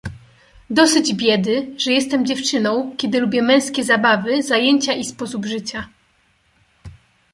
"Dosyć biedy, że jestem dziewczyną, kiedy lubię męskie zabawy, zajęcia i sposób życia."